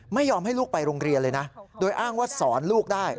ไม่ยอมให้ลูกไปโรงเรียนเลยนะโดยอ้างว่าสอนลูกได้